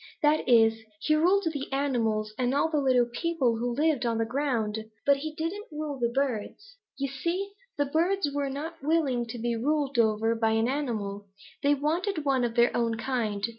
That is, he ruled the animals and all the little people who lived on the ground, but he didn't rule the birds. You see the birds were not willing to be ruled over by an animal. They wanted one of their own kind.